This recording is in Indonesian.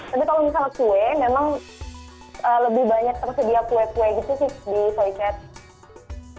tapi kalau misalnya kue memang lebih banyak tersedia kue kue gitu sih di soicet